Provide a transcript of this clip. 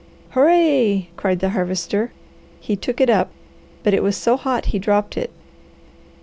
"Hooray!" cried the Harvester. He took it up, but it was so hot he dropped it.